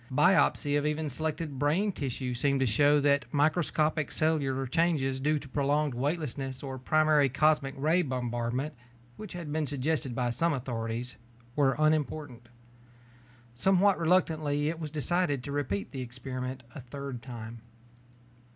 Biopsy of even selected brain tissues seemed to show that microscopic cellular changes due to prolonged weightlessness or primary cosmic ray bombardment, which had been suggested by some authorities, were unimportant. Somewhat reluctantly, it was decided to repeat the experiment a third time.